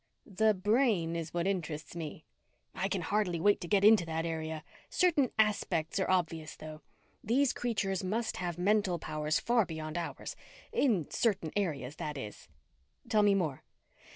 "The brain is what interests me." "I can hardly wait to get into that area. Certain aspects are obvious, though. These creatures must have mental powers far beyond ours in certain areas, that is." "Tell me more."